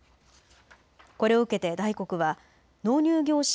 これを受けてダイコクは納入業者